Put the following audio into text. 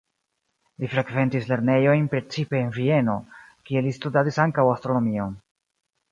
Li frekventis lernejojn precipe en Vieno, kie li studadis ankaŭ astronomion.